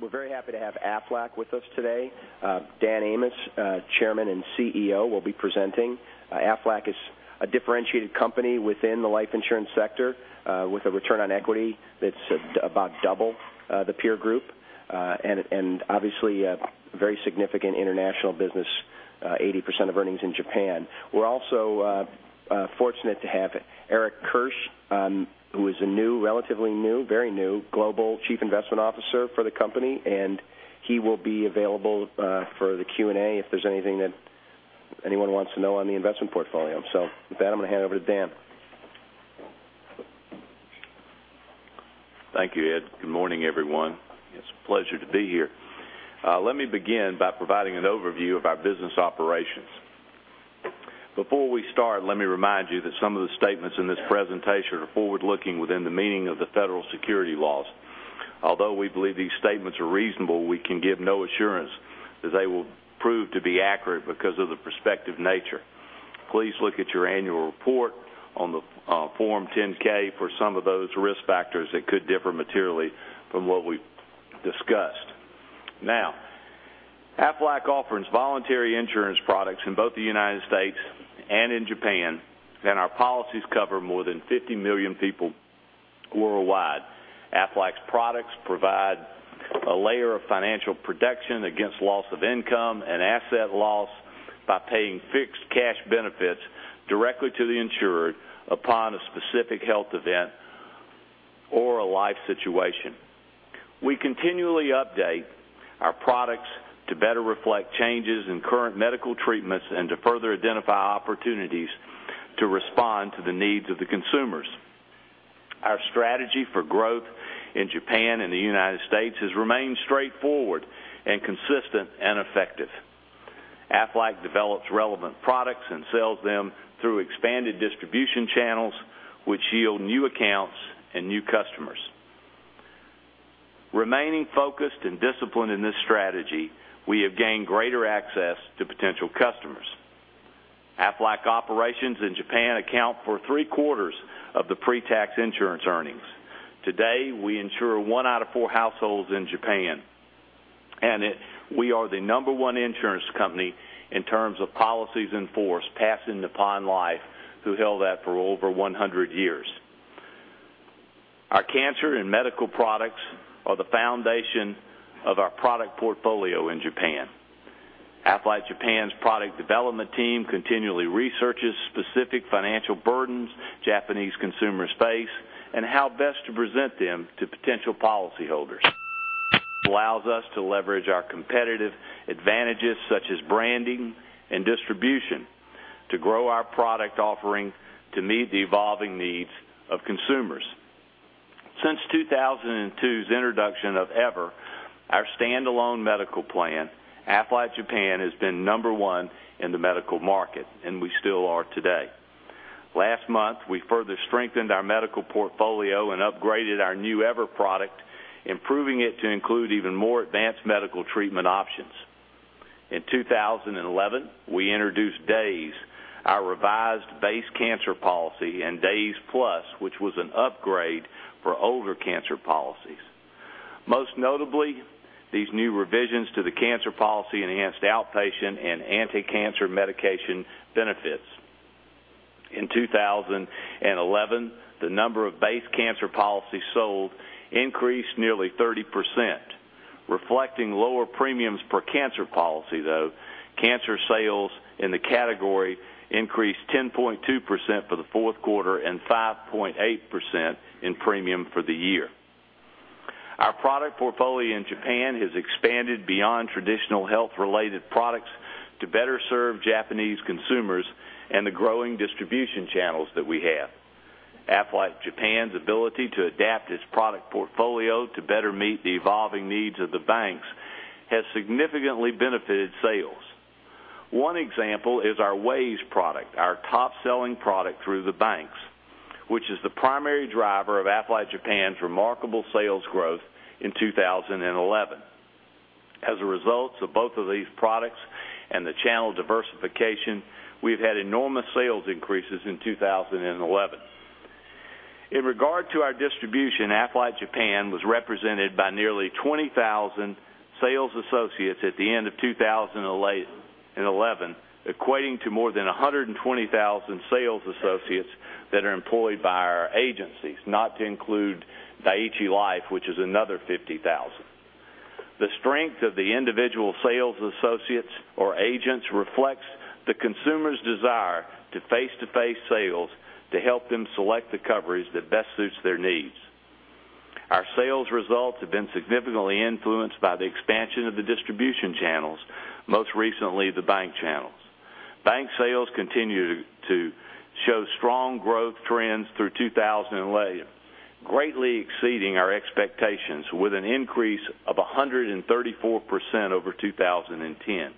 We're very happy to have Aflac with us today. Dan Amos, Chairman and CEO, will be presenting. Aflac is a differentiated company within the life insurance sector with a return on equity that's about double the peer group. Obviously, a very significant international business, 80% of earnings in Japan. We're also fortunate to have Eric Kirsch, who is a relatively new, very new, Global Chief Investment Officer for the company, and he will be available for the Q&A if there's anything that anyone wants to know on the investment portfolio. With that, I'm going to hand it over to Dan. Thank you, Ed. Good morning, everyone. It's a pleasure to be here. Let me begin by providing an overview of our business operations. Before we start, let me remind you that some of the statements in this presentation are forward-looking within the meaning of the federal securities laws. Although we believe these statements are reasonable, we can give no assurance that they will prove to be accurate because of the prospective nature. Please look at your annual report on the Form 10-K for some of those risk factors that could differ materially from what we've discussed. Aflac offers voluntary insurance products in both the United States and in Japan, our policies cover more than 50 million people worldwide. Aflac's products provide a layer of financial protection against loss of income and asset loss by paying fixed cash benefits directly to the insured upon a specific health event or a life situation. We continually update our products to better reflect changes in current medical treatments and to further identify opportunities to respond to the needs of the consumers. Our strategy for growth in Japan and the United States has remained straightforward and consistent and effective. Aflac develops relevant products and sells them through expanded distribution channels, which yield new accounts and new customers. Remaining focused and disciplined in this strategy, we have gained greater access to potential customers. Aflac operations in Japan account for three-quarters of the pre-tax insurance earnings. Today, we insure one out of four households in Japan, we are the number one insurance company in terms of policies in force, passing Nippon Life, who held that for over 100 years. Our cancer and medical products are the foundation of our product portfolio in Japan. Aflac Japan's product development team continually researches specific financial burdens Japanese consumers face and how best to present them to potential policyholders. This allows us to leverage our competitive advantages, such as branding and distribution, to grow our product offering to meet the evolving needs of consumers. Since 2002's introduction of EVER, our standalone medical plan, Aflac Japan has been number one in the medical market, and we still are today. Last month, we further strengthened our medical portfolio and upgraded our new EVER product, improving it to include even more advanced medical treatment options. In 2011, we introduced New Cancer DAYS, our revised base cancer policy, and Days 1 Plus, which was an upgrade for older cancer policies. Most notably, these new revisions to the cancer policy enhanced outpatient and anticancer medication benefits. In 2011, the number of base cancer policies sold increased nearly 30%, reflecting lower premiums per cancer policy, though cancer sales in the category increased 10.2% for the fourth quarter and 5.8% in premium for the year. Our product portfolio in Japan has expanded beyond traditional health-related products to better serve Japanese consumers and the growing distribution channels that we have. Aflac Japan's ability to adapt its product portfolio to better meet the evolving needs of the banks has significantly benefited sales. One example is our WAYS product, our top-selling product through the banks, which is the primary driver of Aflac Japan's remarkable sales growth in 2011. Result of both of these products and the channel diversification, we've had enormous sales increases in 2011. In regard to our distribution, Aflac Japan was represented by nearly 20,000 sales associates at the end of 2011, equating to more than 120,000 sales associates that are employed by our agencies, not to include Dai-ichi Life, which is another 50,000. The strength of the individual sales associates or agents reflects the consumer's desire to face-to-face sales to help them select the coverage that best suits their needs. Our sales results have been significantly influenced by the expansion of the distribution channels, most recently the bank channels. Bank sales continue to show strong growth trends through 2011, greatly exceeding our expectations with an increase of 134% over 2010.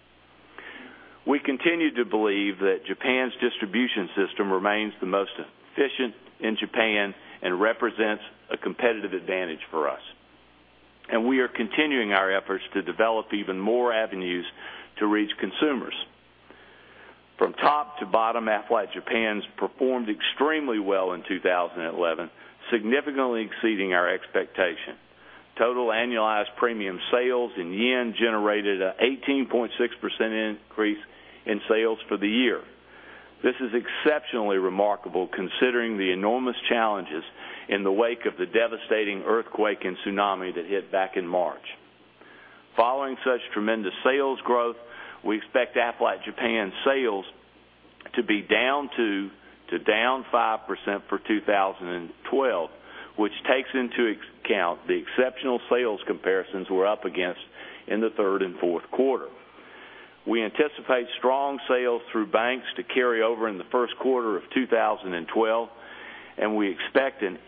We continue to believe that Japan's distribution system remains the most efficient in Japan and represents a competitive advantage for us. We are continuing our efforts to develop even more avenues to reach consumers. Top to bottom, Aflac Japan's performed extremely well in 2011, significantly exceeding our expectation. Total annualized premium sales in JPY generated an 18.6% increase in sales for the year. This is exceptionally remarkable considering the enormous challenges in the wake of the devastating earthquake and tsunami that hit back in March. Following such tremendous sales growth, we expect Aflac Japan sales to be down 2% to down 5% for 2012, which takes into account the exceptional sales comparisons we're up against in the third and fourth quarter. We anticipate strong sales through banks to carry over in the first quarter of 2012, and we expect an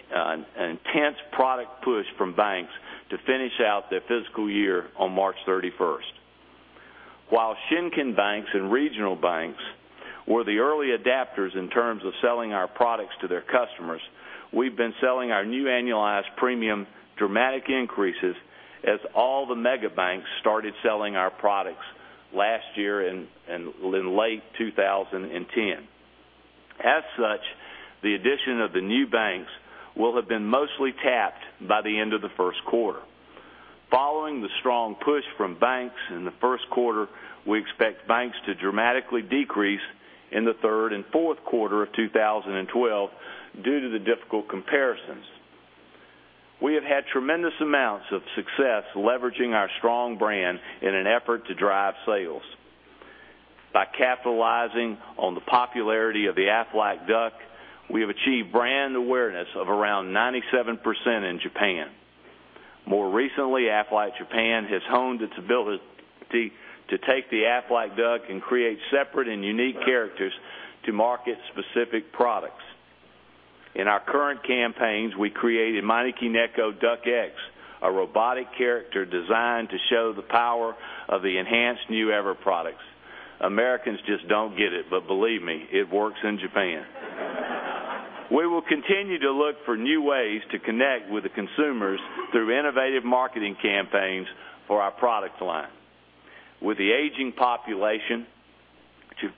intense product push from banks to finish out their fiscal year on March 31st. While Shinkin banks and regional banks were the early adapters in terms of selling our products to their customers, we've been selling our new annualized premium dramatic increases as all the mega banks started selling our products last year in late 2010. As such, the addition of the new banks will have been mostly tapped by the end of the first quarter. Following the strong push from banks in the first quarter, we expect banks to dramatically decrease in the third and fourth quarter of 2012 due to the difficult comparisons. We have had tremendous amounts of success leveraging our strong brand in an effort to drive sales. By capitalizing on the popularity of the Aflac Duck, we have achieved brand awareness of around 97% in Japan. More recently, Aflac Japan has honed its ability to take the Aflac Duck and create separate and unique characters to market specific products. In our current campaigns, we created Manekineko Duck X, a robotic character designed to show the power of the enhanced new EVER products. Americans just don't get it, but believe me, it works in Japan. We will continue to look for new ways to connect with the consumers through innovative marketing campaigns for our product line. With the aging population,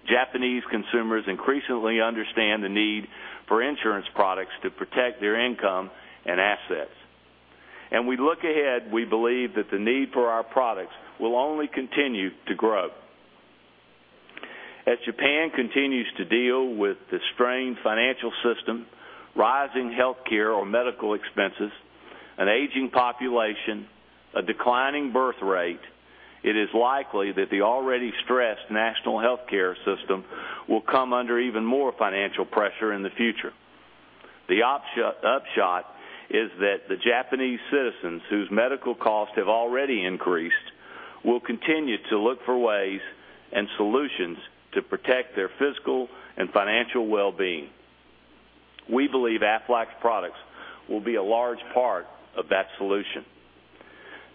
Japanese consumers increasingly understand the need for insurance products to protect their income and assets. We look ahead, we believe that the need for our products will only continue to grow. As Japan continues to deal with the strained financial system, rising healthcare or medical expenses, an aging population, a declining birth rate, it is likely that the already stressed national healthcare system will come under even more financial pressure in the future. The upshot is that the Japanese citizens whose medical costs have already increased will continue to look for ways and solutions to protect their physical and financial well-being. We believe Aflac's products will be a large part of that solution.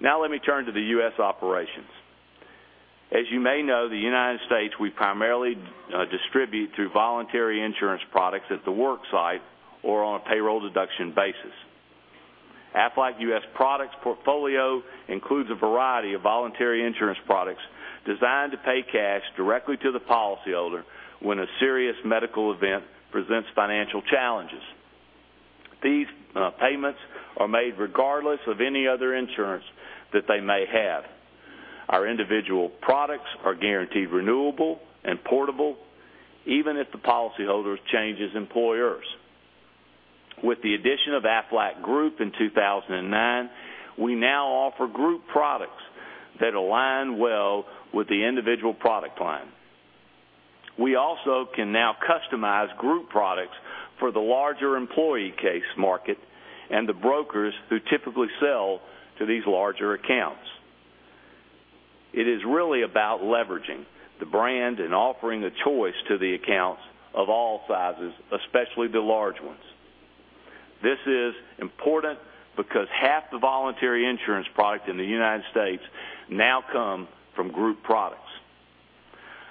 Now let me turn to the U.S. operations. As you may know, the U.S., we primarily distribute through voluntary insurance products at the work site or on a payroll deduction basis. Aflac U.S. products portfolio includes a variety of voluntary insurance products designed to pay cash directly to the policyholder when a serious medical event presents financial challenges. These payments are made regardless of any other insurance that they may have. Our individual products are guaranteed renewable and portable, even if the policyholder changes employers. With the addition of Aflac Group in 2009, we now offer group products that align well with the individual product line. We also can now customize group products for the larger employee case market and the brokers who typically sell to these larger accounts. It is really about leveraging the brand and offering a choice to the accounts of all sizes, especially the large ones. This is important because half the voluntary insurance product in the U.S. now come from group products.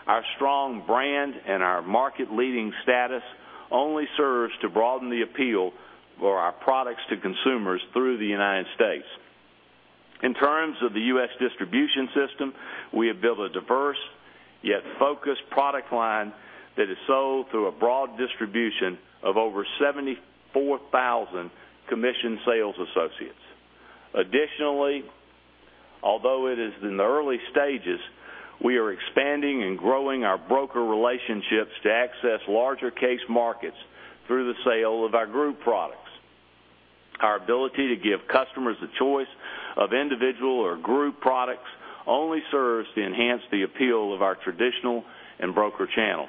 Our strong brand and our market leading status only serves to broaden the appeal for our products to consumers through the U.S. In terms of the U.S. distribution system, we have built a diverse yet focused product line that is sold through a broad distribution of over 74,000 commissioned sales associates. Additionally, although it is in the early stages, we are expanding and growing our broker relationships to access larger case markets through the sale of our group products. Our ability to give customers the choice of individual or group products only serves to enhance the appeal of our traditional and broker channel.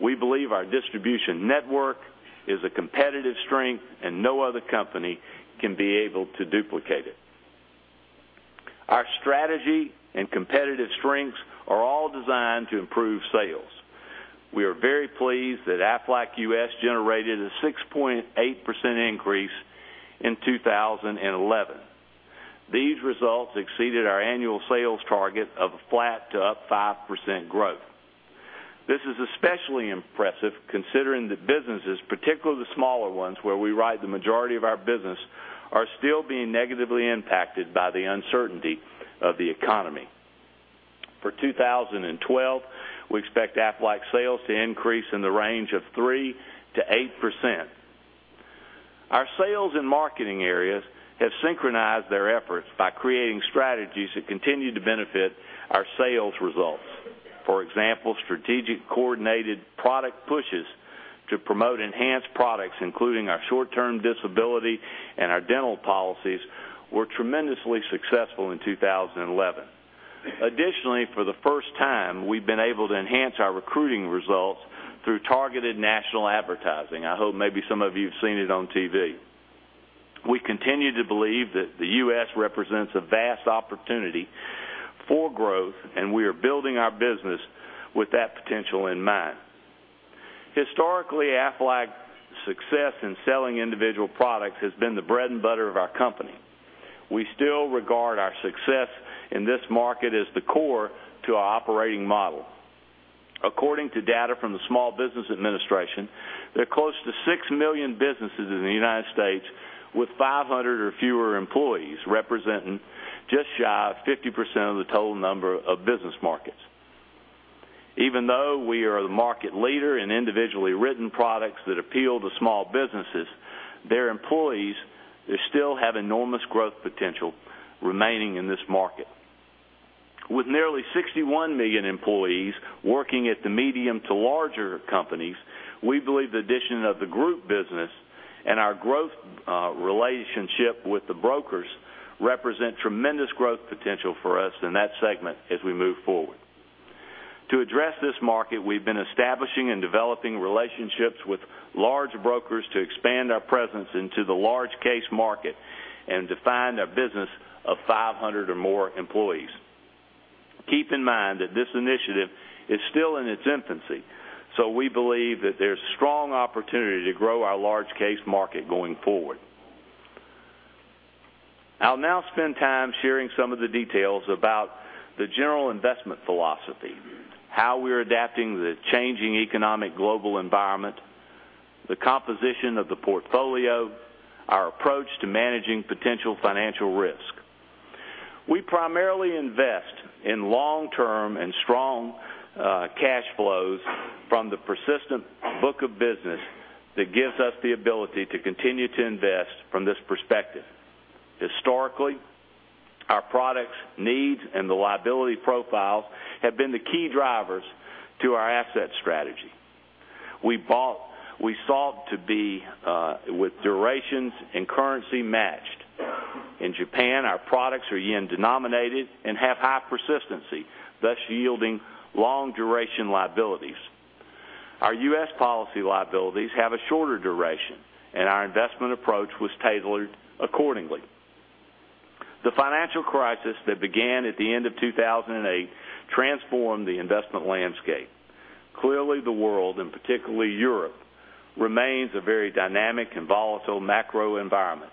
We believe our distribution network is a competitive strength and no other company can be able to duplicate it. Our strategy and competitive strengths are all designed to improve sales. We are very pleased that Aflac U.S. generated a 6.8% increase in 2011. These results exceeded our annual sales target of a flat to up 5% growth. This is especially impressive considering that businesses, particularly the smaller ones where we write the majority of our business, are still being negatively impacted by the uncertainty of the economy. For 2012, we expect Aflac sales to increase in the range of 3%-8%. Our sales and marketing areas have synchronized their efforts by creating strategies that continue to benefit our sales results. For example, strategic coordinated product pushes to promote enhanced products, including our Short-Term Disability and our dental policies, were tremendously successful in 2011. Additionally, for the first time, we've been able to enhance our recruiting results through targeted national advertising. I hope maybe some of you have seen it on TV. We continue to believe that the U.S. represents a vast opportunity for growth, and we are building our business with that potential in mind. Historically, Aflac's success in selling individual products has been the bread and butter of our company. We still regard our success in this market as the core to our operating model. According to data from the Small Business Administration, there are close to 6 million businesses in the United States with 500 or fewer employees, representing just shy of 50% of the total number of business markets. Even though we are the market leader in individually written products that appeal to small businesses, their employees still have enormous growth potential remaining in this market. With nearly 61 million employees working at the medium to larger companies, we believe the addition of the group business and our growing relationship with the brokers represent tremendous growth potential for us in that segment as we move forward. To address this market, we've been establishing and developing relationships with large brokers to expand our presence into the large case market and define a business of 500 or more employees. Keep in mind that this initiative is still in its infancy, so we believe that there's strong opportunity to grow our large case market going forward. I'll now spend time sharing some of the details about the general investment philosophy, how we're adapting to the changing economic global environment, the composition of the portfolio, our approach to managing potential financial risk. We primarily invest in long-term and strong cash flows from the persistent book of business that gives us the ability to continue to invest from this perspective. Historically, our products' needs and the liability profiles have been the key drivers to our asset strategy. We sought to be with durations and currency matched. In Japan, our products are yen-denominated and have high persistency, thus yielding long-duration liabilities. Our U.S. policy liabilities have a shorter duration, and our investment approach was tailored accordingly. The financial crisis that began at the end of 2008 transformed the investment landscape. Clearly, the world, and particularly Europe, remains a very dynamic and volatile macro environment.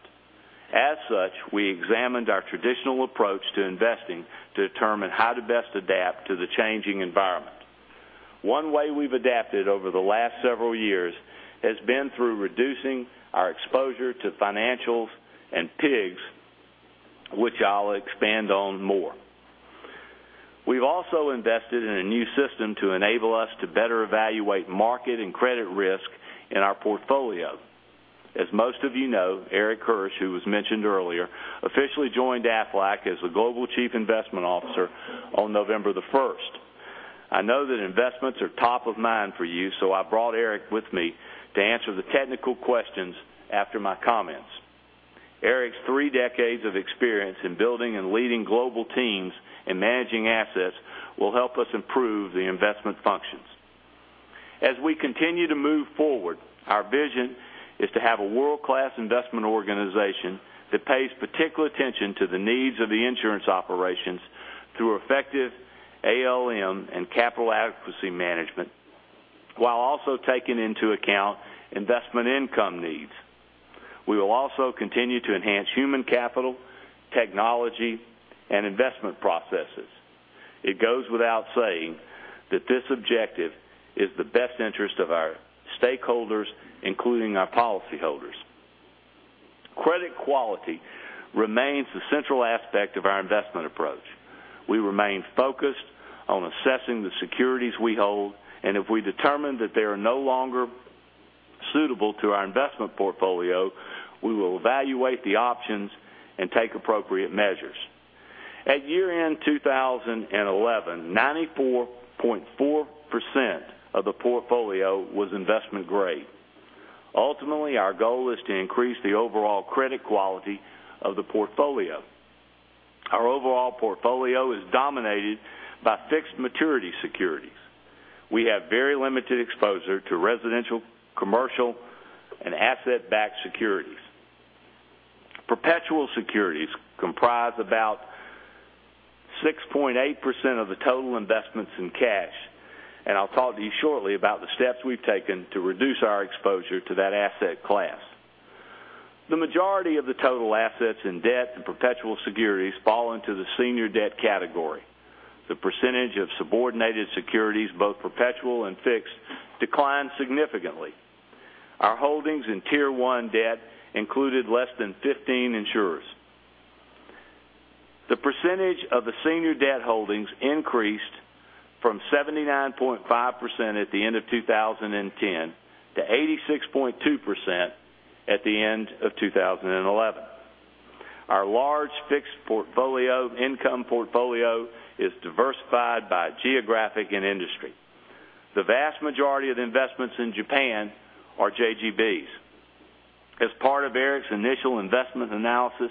As such, we examined our traditional approach to investing to determine how to best adapt to the changing environment. One way we've adapted over the last several years has been through reducing our exposure to financials and PIGS, which I'll expand on more. We've also invested in a new system to enable us to better evaluate market and credit risk in our portfolio. As most of you know, Eric Kirsch, who was mentioned earlier, officially joined Aflac as the Global Chief Investment Officer on November the 1st. I know that investments are top of mind for you, so I brought Eric with me to answer the technical questions after my comments. Eric's three decades of experience in building and leading global teams and managing assets will help us improve the investment functions. As we continue to move forward, our vision is to have a world-class investment organization that pays particular attention to the needs of the insurance operations through effective ALM and capital adequacy management, while also taking into account investment income needs. We will also continue to enhance human capital, technology, and investment processes. It goes without saying that this objective is the best interest of our stakeholders, including our policyholders. Credit quality remains the central aspect of our investment approach. We remain focused on assessing the securities we hold, and if we determine that they are no longer suitable to our investment portfolio, we will evaluate the options and take appropriate measures. At year-end 2011, 94.4% of the portfolio was investment-grade. Ultimately, our goal is to increase the overall credit quality of the portfolio. Our overall portfolio is dominated by fixed maturity securities. We have very limited exposure to residential, commercial, and asset-backed securities. Perpetual securities comprise about 6.8% of the total investments in cash, and I'll talk to you shortly about the steps we've taken to reduce our exposure to that asset class. The majority of the total assets in debt and perpetual securities fall into the senior debt category. The percentage of subordinated securities, both perpetual and fixed, declined significantly. Our holdings in Tier 1 debt included less than 15 insurers. The percentage of the senior debt holdings increased from 79.5% at the end of 2010 to 86.2% at the end of 2011. Our large fixed income portfolio is diversified by geographic and industry. The vast majority of investments in Japan are JGBs. As part of Eric's initial investment analysis,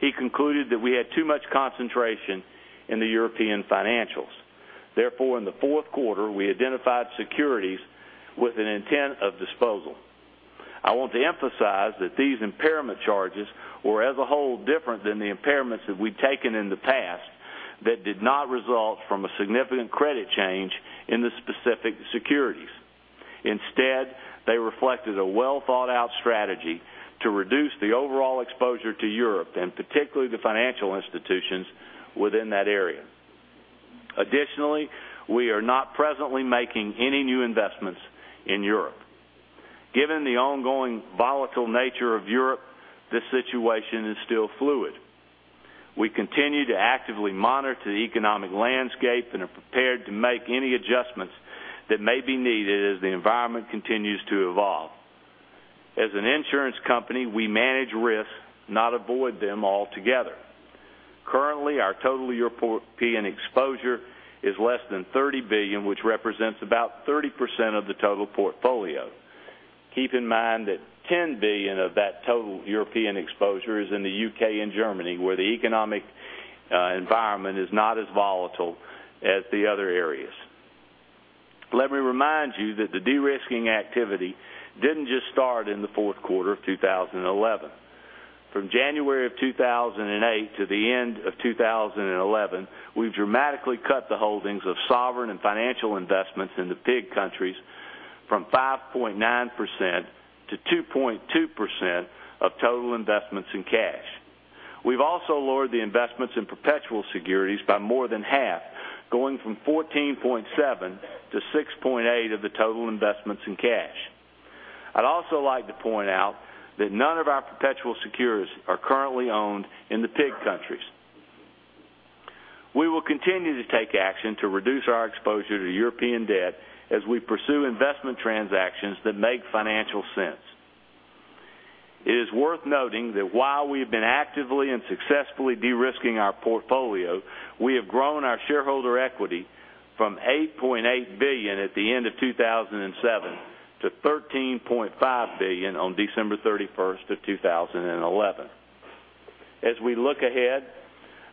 he concluded that we had too much concentration in the European financials. In the fourth quarter, we identified securities with an intent of disposal. I want to emphasize that these impairment charges were, as a whole, different than the impairments that we'd taken in the past that did not result from a significant credit change in the specific securities. Instead, they reflected a well-thought-out strategy to reduce the overall exposure to Europe, and particularly the financial institutions within that area. Additionally, we are not presently making any new investments in Europe. Given the ongoing volatile nature of Europe, this situation is still fluid. We continue to actively monitor the economic landscape and are prepared to make any adjustments that may be needed as the environment continues to evolve. As an insurance company, we manage risks, not avoid them altogether. Currently, our total European exposure is less than $30 billion, which represents about 30% of the total portfolio. Keep in mind that $10 billion of that total European exposure is in the U.K. and Germany, where the economic environment is not as volatile as the other areas. Let me remind you that the de-risking activity didn't just start in the fourth quarter of 2011. From January of 2008 to the end of 2011, we've dramatically cut the holdings of sovereign and financial investments in the PIG countries from 5.9% to 2.2% of total investments in cash. We've also lowered the investments in perpetual securities by more than half, going from 14.7% to 6.8% of the total investments in cash. I'd also like to point out that none of our perpetual securities are currently owned in the PIG countries. We will continue to take action to reduce our exposure to European debt as we pursue investment transactions that make financial sense. It is worth noting that while we've been actively and successfully de-risking our portfolio, we have grown our shareholder equity from $8.8 billion at the end of 2007 to $13.5 billion on December 31st of 2011. As we look ahead,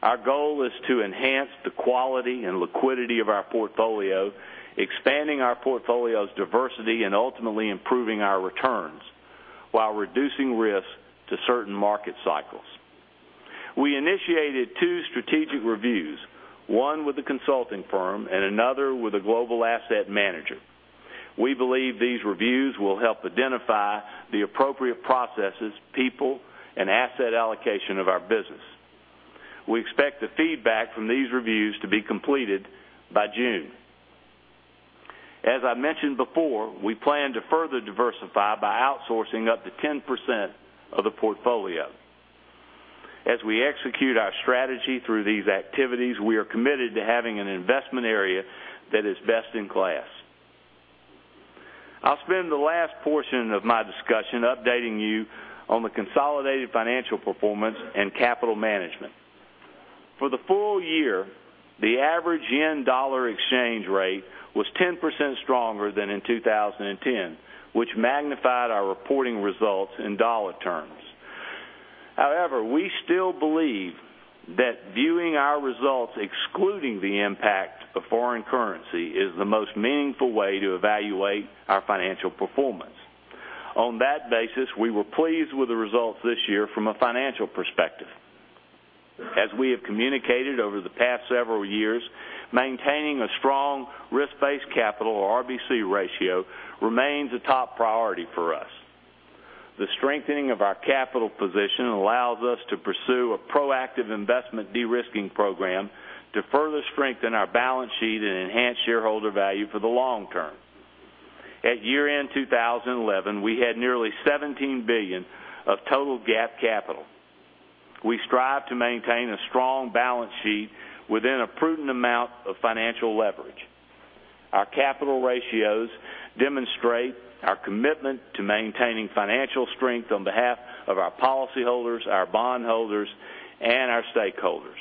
our goal is to enhance the quality and liquidity of our portfolio, expanding our portfolio's diversity and ultimately improving our returns while reducing risks to certain market cycles. We initiated two strategic reviews, one with a consulting firm and another with a global asset manager. We believe these reviews will help identify the appropriate processes, people, and asset allocation of our business. We expect the feedback from these reviews to be completed by June. As I mentioned before, we plan to further diversify by outsourcing up to 10% of the portfolio. As we execute our strategy through these activities, we are committed to having an investment area that is best in class. I'll spend the last portion of my discussion updating you on the consolidated financial performance and capital management. For the full year, the average yen-dollar exchange rate was 10% stronger than in 2010, which magnified our reporting results in dollar terms. However, we still believe that viewing our results excluding the impact of foreign currency is the most meaningful way to evaluate our financial performance. On that basis, we were pleased with the results this year from a financial perspective. As we have communicated over the past several years, maintaining a strong risk-based capital, or RBC ratio, remains a top priority for us. The strengthening of our capital position allows us to pursue a proactive investment de-risking program to further strengthen our balance sheet and enhance shareholder value for the long term. At year-end 2011, we had nearly $17 billion of total GAAP capital. We strive to maintain a strong balance sheet within a prudent amount of financial leverage. Our capital ratios demonstrate our commitment to maintaining financial strength on behalf of our policyholders, our bondholders, and our stakeholders.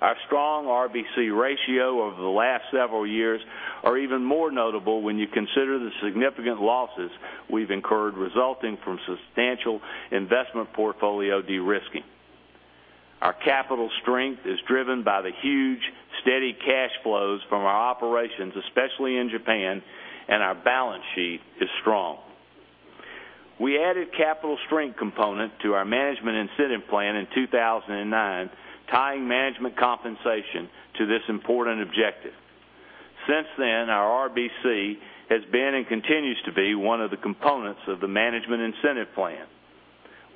Our strong RBC ratio over the last several years are even more notable when you consider the significant losses we've incurred resulting from substantial investment portfolio de-risking. Our capital strength is driven by the huge, steady cash flows from our operations, especially in Japan, and our balance sheet is strong. We added capital strength component to our management incentive plan in 2009, tying management compensation to this important objective. Since then, our RBC has been and continues to be one of the components of the management incentive plan.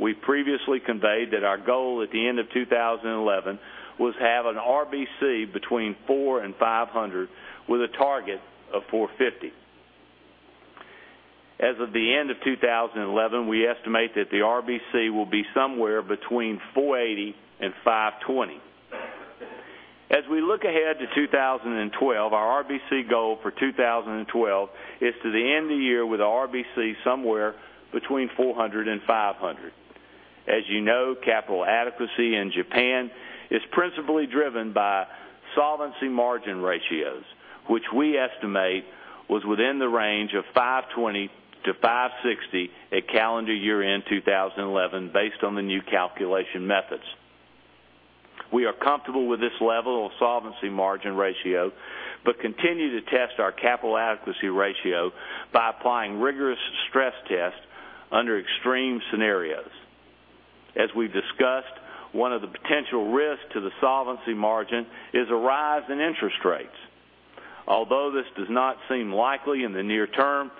We previously conveyed that our goal at the end of 2011 was to have an RBC between 400 and 500, with a target of 450. As of the end of 2011, we estimate that the RBC will be somewhere between 480 and 520. As we look ahead to 2012, our RBC goal for 2012 is to end the year with a RBC somewhere between 400 and 500. As you know, capital adequacy in Japan is principally driven by solvency margin ratios, which we estimate was within the range of 520 to 560 at calendar year-end 2011, based on the new calculation methods. We are comfortable with this level of solvency margin ratio, but continue to test our capital adequacy ratio by applying rigorous stress tests under extreme scenarios. As we've discussed, one of the potential risks to the solvency margin is a rise in interest rates. Although this does not seem likely in the near term,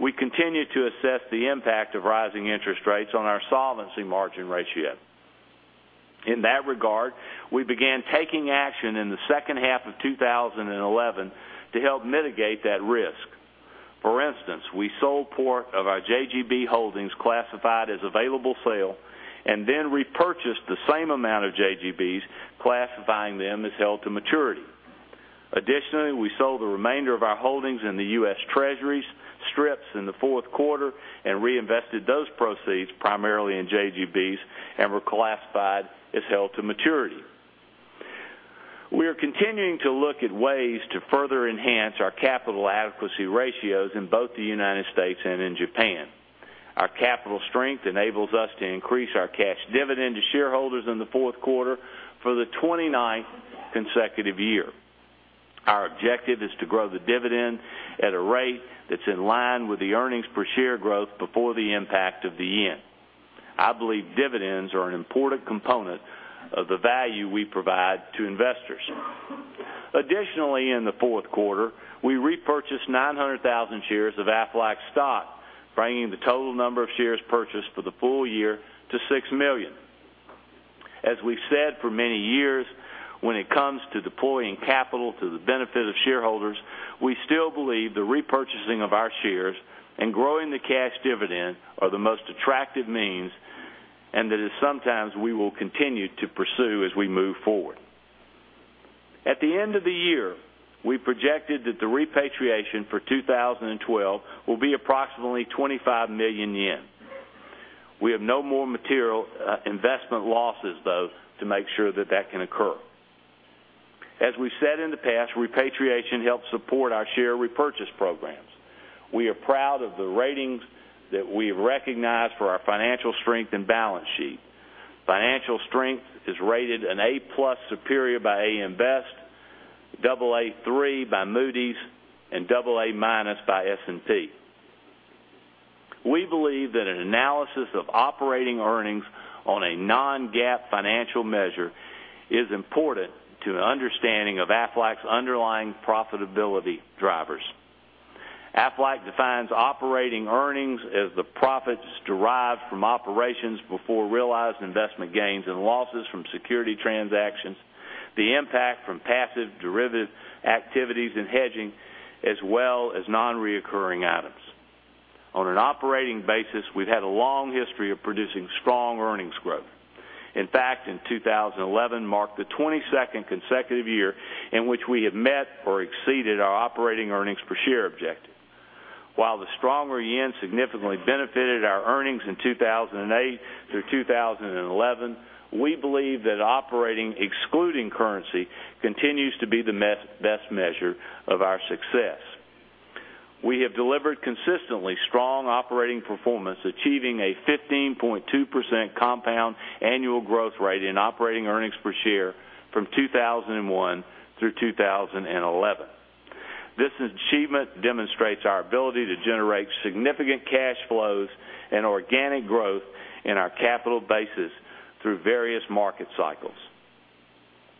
we continue to assess the impact of rising interest rates on our solvency margin ratio. In that regard, we began taking action in the second half of 2011 to help mitigate that risk. For instance, we sold part of our JGB holdings classified as available sale, and then repurchased the same amount of JGBs, classifying them as held to maturity. Additionally, we sold the remainder of our holdings in the U.S. Treasury STRIPS in the fourth quarter and reinvested those proceeds primarily in JGBs and were classified as held to maturity. We are continuing to look at ways to further enhance our capital adequacy ratios in both the U.S. and in Japan. Our capital strength enables us to increase our cash dividend to shareholders in the fourth quarter for the 29th consecutive year. Our objective is to grow the dividend at a rate that's in line with the earnings per share growth before the impact of the yen. I believe dividends are an important component of the value we provide to investors. Additionally, in the fourth quarter, we repurchased 900,000 shares of Aflac stock, bringing the total number of shares purchased for the full year to 6 million. As we've said for many years, when it comes to deploying capital to the benefit of shareholders, we still believe the repurchasing of our shares and growing the cash dividend are the most attractive means, and that is sometimes we will continue to pursue as we move forward. At the end of the year, we projected that the repatriation for 2012 will be approximately ¥25 million. We have no more material investment losses, though, to make sure that that can occur. As we've said in the past, repatriation helps support our share repurchase programs. We are proud of the ratings that we have recognized for our financial strength and balance sheet. Financial strength is rated an A+ superior by AM Best, Aa3 by Moody's, and AA- by S&P. We believe that an analysis of operating earnings on a non-GAAP financial measure is important to an understanding of Aflac's underlying profitability drivers. Aflac defines operating earnings as the profits derived from operations before realized investment gains and losses from security transactions, the impact from passive derivative activities and hedging, as well as non-recurring items. On an operating basis, we've had a long history of producing strong earnings growth. In fact, 2011 marked the 22nd consecutive year in which we have met or exceeded our operating earnings per share objective. While the stronger yen significantly benefited our earnings in 2008 through 2011, we believe that operating excluding currency continues to be the best measure of our success. We have delivered consistently strong operating performance, achieving a 15.2% compound annual growth rate in operating earnings per share from 2001 through 2011. This achievement demonstrates our ability to generate significant cash flows and organic growth in our capital bases through various market cycles.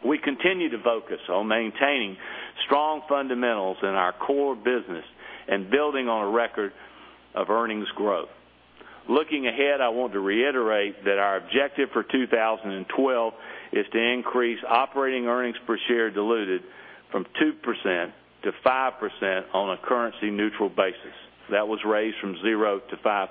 We continue to focus on maintaining strong fundamentals in our core business and building on a record of earnings growth. Looking ahead, I want to reiterate that our objective for 2012 is to increase operating earnings per share diluted from 2%-5% on a currency-neutral basis. That was raised from 0% to 5%.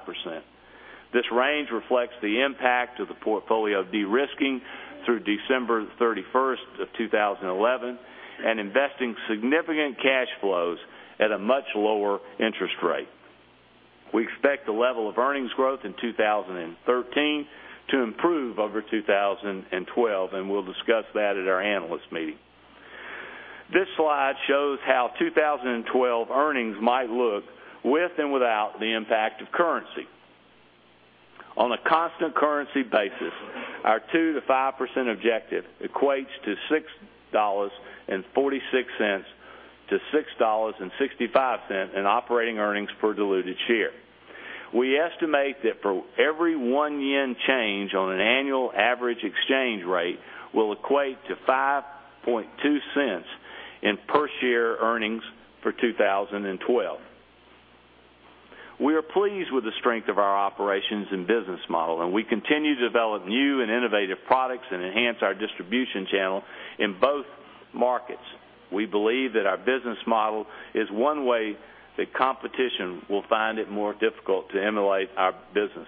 This range reflects the impact of the portfolio de-risking through December 31st, 2011 and investing significant cash flows at a much lower interest rate. We expect the level of earnings growth in 2013 to improve over 2012, and we'll discuss that at our analyst meeting. This slide shows how 2012 earnings might look with and without the impact of currency. On a constant currency basis, our 2%-5% objective equates to $6.46-$6.65 in operating earnings per diluted share. We estimate that for every 1 yen change on an annual average exchange rate will equate to $0.052 in per share earnings for 2012. We are pleased with the strength of our operations and business model, and we continue to develop new and innovative products and enhance our distribution channel in both markets. We believe that our business model is one way that competition will find it more difficult to emulate our business.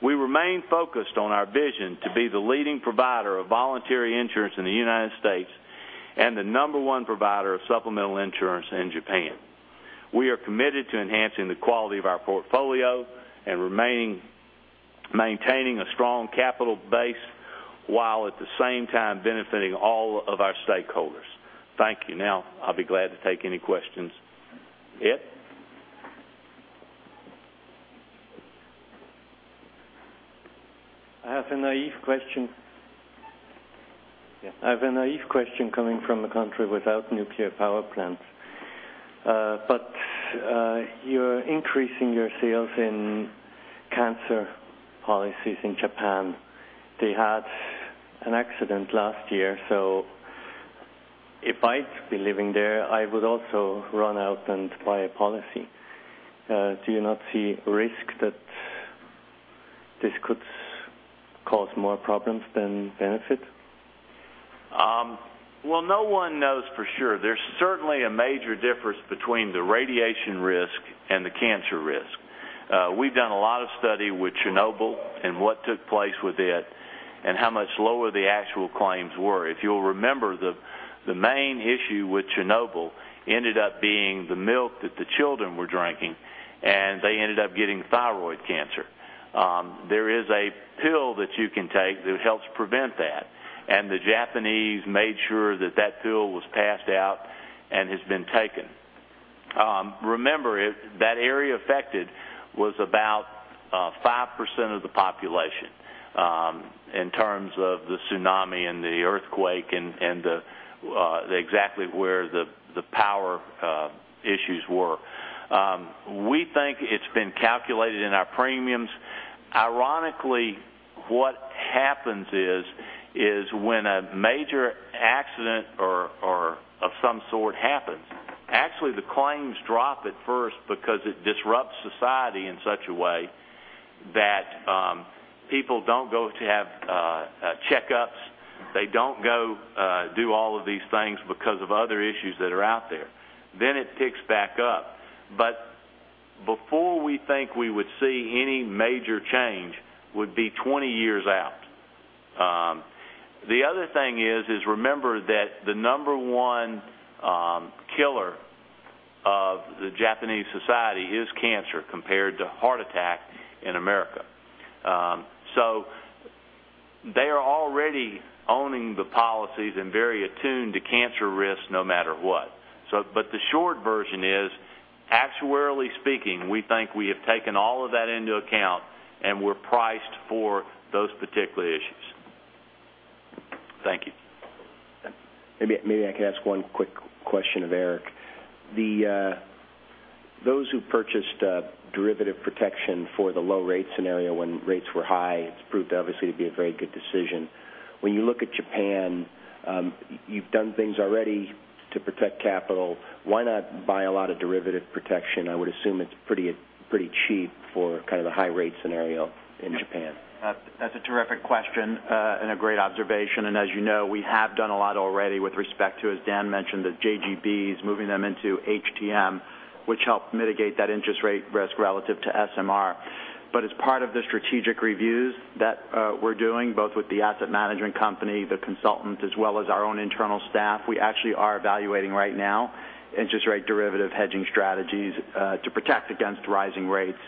We remain focused on our vision to be the leading provider of voluntary insurance in the U.S. and the number one provider of supplemental insurance in Japan. We are committed to enhancing the quality of our portfolio and maintaining a strong capital base while at the same time benefiting all of our stakeholders. Thank you. Now, I'll be glad to take any questions. Ed? I have a naive question. I have a naive question coming from a country without nuclear power plants. You're increasing your sales in cancer policies in Japan. They had an accident last year, so if I'd be living there, I would also run out and buy a policy. Do you not see risk that this could cause more problems than benefit? No one knows for sure. There's certainly a major difference between the radiation risk and the cancer risk. We've done a lot of study with Chernobyl and what took place with it and how much lower the actual claims were. If you'll remember, the main issue with Chernobyl ended up being the milk that the children were drinking, and they ended up getting thyroid cancer. There is a pill that you can take that helps prevent that. And the Japanese made sure that that pill was passed out and has been taken. Remember, that area affected was about 5% of the population in terms of the tsunami and the earthquake and exactly where the power issues were. We think it's been calculated in our premiums. Ironically, what happens is when a major accident of some sort happens, actually the claims drop at first because it disrupts society in such a way that people don't go to have checkups. They don't go do all of these things because of other issues that are out there. It picks back up. Before we think we would see any major change would be 20 years out. The other thing is, remember that the number one killer of the Japanese society is cancer compared to heart attack in America. They are already owning the policies and very attuned to cancer risks no matter what. The short version is, actuarially speaking, we think we have taken all of that into account, and we're priced for those particular issues. Thank you. Maybe I can ask one quick question of Eric. Those who purchased derivative protection for the low rate scenario when rates were high, it's proved obviously to be a very good decision. When you look at Japan, you've done things already to protect capital. Why not buy a lot of derivative protection? I would assume it's pretty cheap for kind of the high rate scenario in Japan. That's a terrific question and a great observation. As you know, we have done a lot already with respect to, as Dan mentioned, the JGBs, moving them into HTM, which helped mitigate that interest rate risk relative to SMR. As part of the strategic reviews that we're doing, both with the asset management company, the consultant, as well as our own internal staff, we actually are evaluating right now interest rate derivative hedging strategies to protect against rising rates.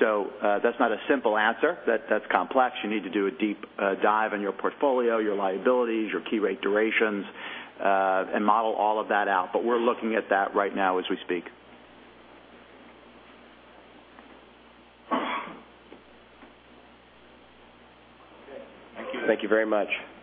That's not a simple answer. That's complex. You need to do a deep dive on your portfolio, your liabilities, your key rate durations and model all of that out. We're looking at that right now as we speak. Thank you. Thank you very much.